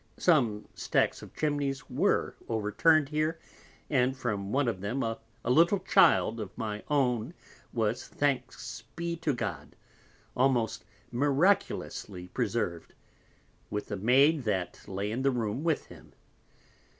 Some Stacks of Chimneys were over turn'd here, and from one of them a little Child of my own was (thanks be to God) almost miraculously preserv'd, with a Maid that lay in the Room with him.